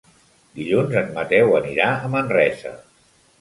Dilluns en Mateu anirà a Manresa.